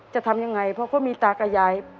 จะทำยังไงเพราะเขามีตากับยาย